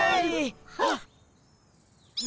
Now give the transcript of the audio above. ハッ。